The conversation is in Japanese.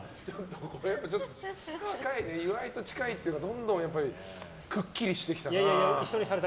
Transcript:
岩井と近いというのがどんどんくっきりしてきました。